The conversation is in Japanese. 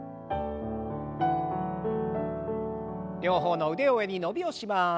両方の腕を上に伸びをします。